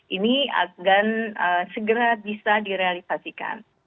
ini akan segera bisa direalisasikan